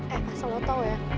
eh pasal lo tau ya